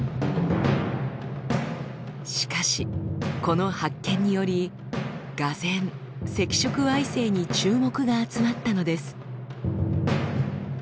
しかしこの発見により俄然赤色矮星に注目が集まったのです。